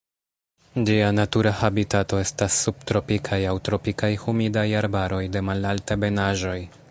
Ĝia natura habitato estas subtropikaj aŭ tropikaj humidaj arbaroj de malalt-ebenaĵoj.